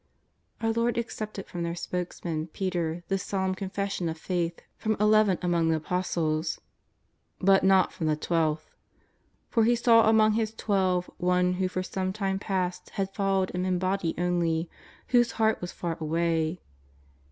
'' Our Lord accepted from their spokesman, Peter, this solemn confession of faith from eleven among the Apostles. But not from the twelfth. For lie saw among His Twelve one who for some time past had followed Him in body only, whose heart was far away.